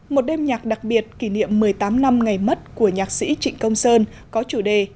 một đêm nhạc đặc biệt kỷ niệm một mươi tám năm ngày mất của nhạc sĩ trịnh công sơn có chủ đề